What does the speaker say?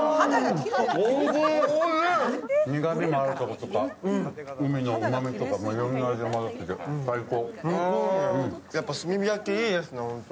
苦みのあるとことか、海のうまみがいろいろな味が混ざってて、最高。